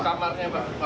di kamarnya pak